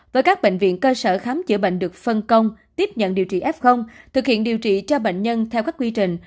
với các bệnh viện cơ sở khám chữa bệnh được phân công tiếp nhận điều trị f thực hiện điều trị cho bệnh nhân theo các quy trình